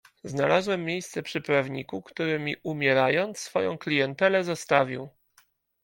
"Znalazłem miejsce przy prawniku, który mi umierając swoję klientelę zostawił."